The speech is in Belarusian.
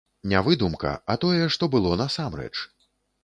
Не выдумка, а тое, што было насамрэч.